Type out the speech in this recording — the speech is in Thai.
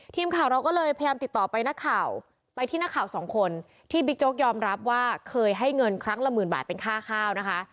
ทีมข่าวเราก็เลยพยายามติดต่อไปนักข่าวไปที่นักข่าวสองคนที่บิ๊กโจ๊กยอมรับว่าเคยให้เงินครั้งละหมื่นบาทเป็นค่าข้าวนะคะ